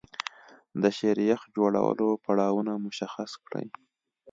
د شیریخ جوړولو پړاوونه مشخص کړئ.